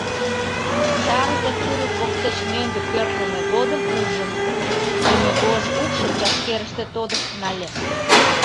Сарзе курык воктеч мӧҥгӧ пӧртылмӧ годым ужым, лӱмегож укшым чашкерыште тодышт нале.